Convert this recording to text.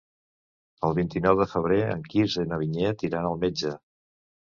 El vint-i-nou de febrer en Quirze i na Vinyet iran al metge.